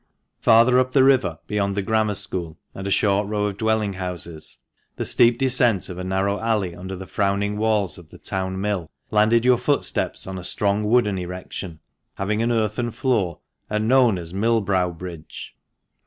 Farther up the river, beyond the Grammar School and a short row of dwelling houses, the steep descent of a narrow alley under the frowning walls of the Town Mill, landed your footsteps on a strong wooden erection, having an earthen floor, and known as Mill Brow Bridge.